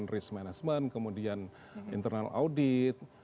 risk management kemudian internal audit